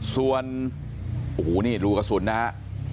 ส่วนโอ้โหนี่รูกระสุนนะฮะ